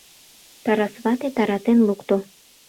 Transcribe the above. Тарас вате таратен лукто